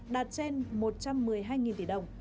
đạt trên một trăm một mươi hai tỷ đồng